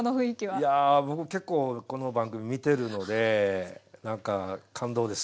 いや僕結構この番組見てるので何か感動です。